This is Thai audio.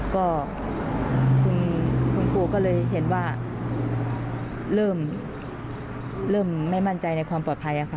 ก็คุณครูก็เลยเห็นว่าเริ่มไม่มั่นใจในความปลอดภัยค่ะ